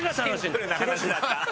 シンプルな話だった。